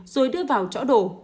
rồi đưa vào chỗ đổ